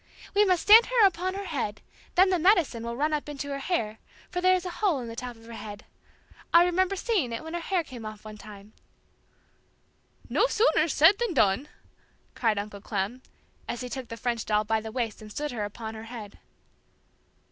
"We must stand her upon her head, then the 'medicine' will run up into her hair, for there is a hole in the top of her head. I remember seeing it when her hair came off one time!" "No sooner said than done!" cried Uncle Clem, as he took the French doll by the waist and stood her upon her head.